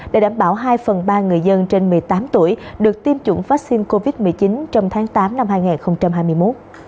để đảm bảo hai phần ba người dân trên một mươi tám tuổi được tiêm chủng vaccine covid một mươi chín trong tháng tám năm hai nghìn hai mươi một